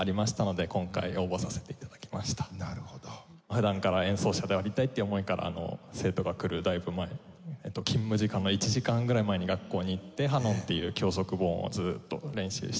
普段から演奏者でありたいという思いから生徒が来るだいぶ前勤務時間の１時間ぐらい前に学校に行って『ハノン』っていう教則本をずっと練習しています。